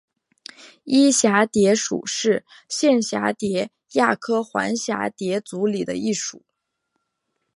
漪蛱蝶属是线蛱蝶亚科环蛱蝶族里的一属。